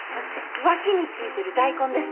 脇についてる大根ですね。